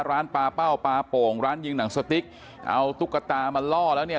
ร้านปลาเป้าปลาโป่งร้านยิงหนังสติ๊กเอาตุ๊กตามาล่อแล้วเนี่ย